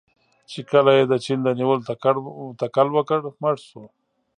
چې کله یې د چین د نیولو تکل وکړ، مړ شو.